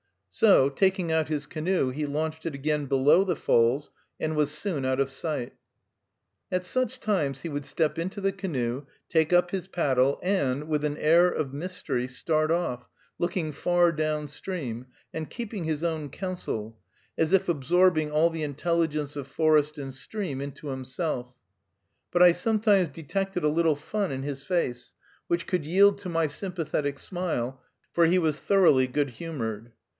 So, taking out his canoe, he launched it again below the falls, and was soon out of sight. At such times he would step into the canoe, take up his paddle, and, with an air of mystery, start off, looking far down stream, and keeping his own counsel, as if absorbing all the intelligence of forest and stream into himself; but I sometimes detected a little fun in his face, which could yield to my sympathetic smile, for he was thoroughly good humored.